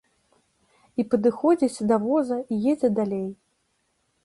І падыходзіць да воза і едзе далей.